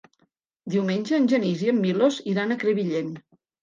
Diumenge en Genís i en Milos iran a Crevillent.